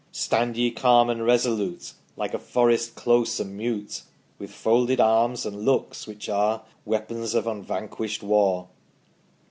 Stand ye calm and resolute Like a forest close and mute, With folded arms and looks which are Weapons of unvanquished war.